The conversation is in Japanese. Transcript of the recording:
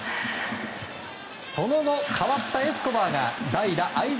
その後、代わったエスコバーが代打・會澤